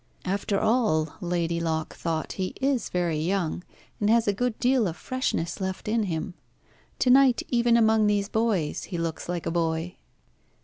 "After all," Lady Locke thought, "he is very young, and has a good deal of freshness left in him. To night, even among these boys, he looks like a boy."